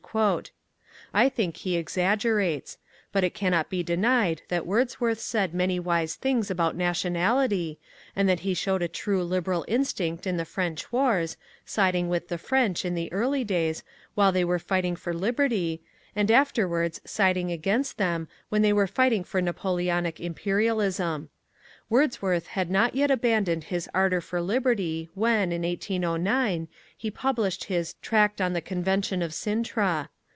I think he exaggerates, but it cannot be denied that Wordsworth said many wise things about nationality, and that he showed a true liberal instinct in the French wars, siding with the French in the early days while they were fighting for liberty, and afterwards siding against them when they were fighting for Napoleonic Imperialism. Wordsworth had not yet abandoned his ardour for liberty when, in 1809, he published his _Tract on the Convention of Cintra.